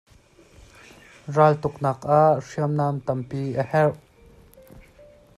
Raltuknak ah hriamnam tampi a herh.